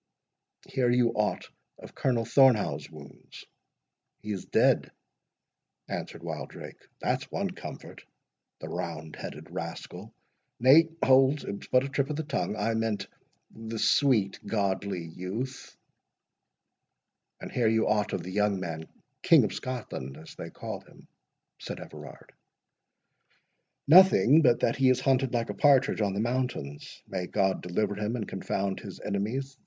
"Hear you aught of Colonel Thornhaugh's wounds?" "He is dead," answered Wildrake, "that's one comfort—the roundheaded rascal!—Nay, hold! it was but a trip of the tongue—I meant, the sweet godly youth." "And hear you aught of the young man, King of Scotland, as they call him?" said Everard. "Nothing but that he is hunted like a partridge on the mountains. May God deliver him, and confound his enemies!